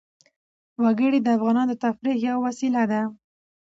وګړي د افغانانو د تفریح یوه وسیله ده.